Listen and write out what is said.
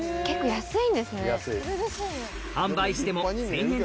安い。